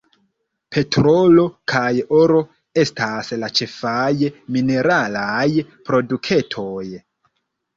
Petrolo kaj oro estas la ĉefaj mineralaj produktoj.